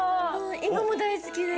今も大好きです。